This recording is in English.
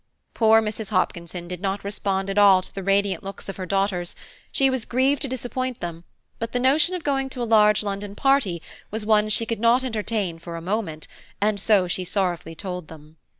Poor Mrs. Hopkinson did not respond at all to the radiant looks of her daughters: she was grieved to disappoint them; but the notion of going to a large London party was one she could not entertain for a moment, and so she sorrowfully told them.